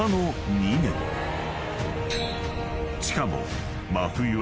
［しかも］